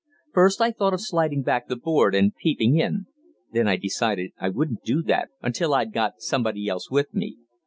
First I thought of sliding back the board and peeping in. Then I decided I wouldn't do that until I'd got somebody else with me.